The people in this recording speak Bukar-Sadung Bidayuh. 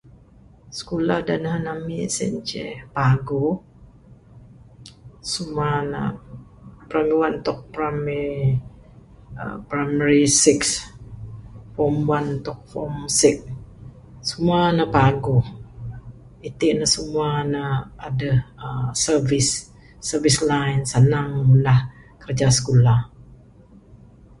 Skulah da nehen ami sien ceh paguh simua ne primary one tok primary uhh primary six. Form one tok form six simua ne paguh iti ne semua adeh service, service line sanang ngunah kerja skulah.